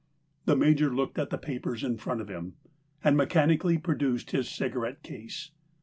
The Major looked at the papers in front of him, and mechanically produced his cigarette case.